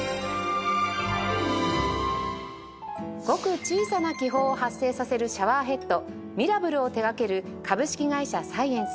ごく小さな気泡を発生させるシャワーヘッドミラブルを手がける株式会社サイエンス